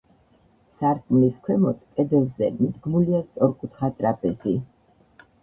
სარკმლის ქვემოთ, კედელზე, მიდგმულია სწორკუთხა ტრაპეზი.